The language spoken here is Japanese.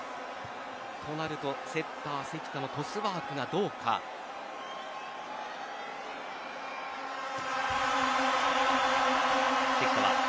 となると、セッター関田のトスワークがどうなるか。